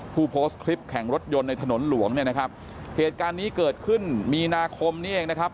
ผู้โพสต์คลิปแข่งรถยนต์ในถนนหลวงเนี่ยนะครับเหตุการณ์นี้เกิดขึ้นมีนาคมนี้เองนะครับ